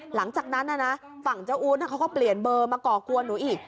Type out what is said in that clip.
หลังจากนั้นฝั่งเจ้าอู๊ดเขาก็เปลี่ยนเบอร์มาก่อกวนหนูอีก